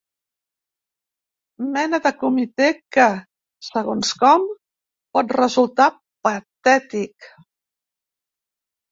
Mena de comitè que, segons com, pot resultar patètic.